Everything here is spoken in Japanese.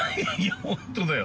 ◆本当だよ。